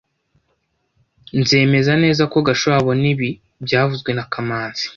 Nzemeza neza ko Gashuhe abona ibi byavuzwe na kamanzi